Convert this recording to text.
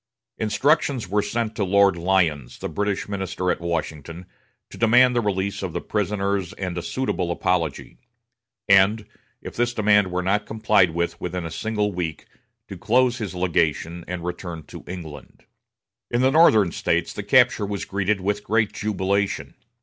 Instructions were sent to Lord Lyons, the British minister at Washington, to demand the release of the prisoners and a suitable apology; and, if this demand were not complied with within a single week, to close his legation and return to England. In the Northern States the capture was greeted with great jubilation.